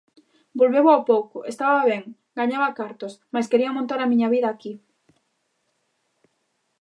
Volveu ao pouco, "estaba ben, gañaba cartos, mais quería montar a miña vida aquí".